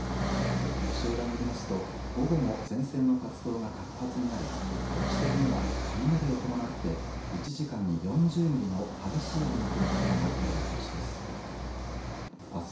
気象台によりますと、午後も前線の活動が活発になり局地的には雷を伴って１時間に４０ミリの激しい雨の降る所がある見通しです。